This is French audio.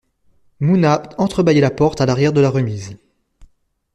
Mouna entrebâilla la porte à l’arrière de la remise.